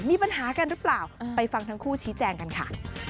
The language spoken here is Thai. มีปัญหากันหรือเปล่าไปฟังทั้งคู่ชี้แจงกันค่ะ